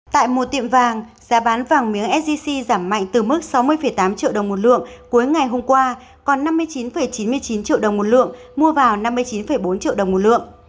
tại một tiệm vàng giá bán vàng miếng sgc giảm mạnh từ mức sáu mươi tám triệu đồng một lượng cuối ngày hôm qua còn năm mươi chín chín mươi chín triệu đồng một lượng mua vào năm mươi chín bốn triệu đồng một lượng